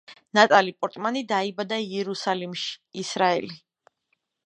ნატალი პორტმანი დაიბადა იერუსალიმში, ისრაელი.